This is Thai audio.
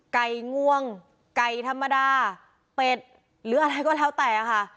งวงไก่ธรรมดาเป็ดหรืออะไรก็แล้วแต่ค่ะ